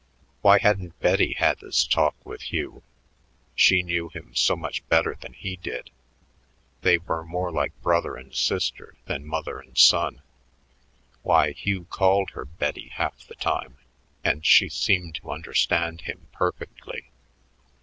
Why hadn't Betty had this talk with Hugh? She knew him so much better than he did; they were more like brother and sister than mother and son. Why, Hugh called her Betty half the time, and she seemed to understand him perfectly.